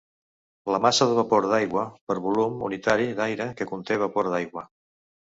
La massa de vapor d"aigua per volum unitari d"aire que conté vapor d"aigua.